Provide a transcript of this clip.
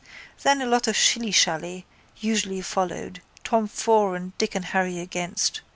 Then a lot of shillyshally usually followed, Tom for and Dick and Harry against.